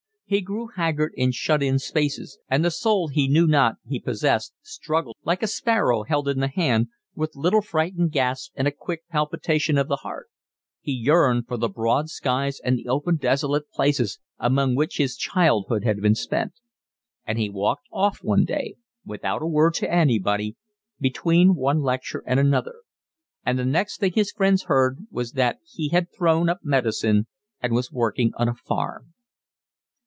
He grew haggard in shut in spaces, and the soul he knew not he possessed struggled like a sparrow held in the hand, with little frightened gasps and a quick palpitation of the heart: he yearned for the broad skies and the open, desolate places among which his childhood had been spent; and he walked off one day, without a word to anybody, between one lecture and another; and the next thing his friends heard was that he had thrown up medicine and was working on a farm.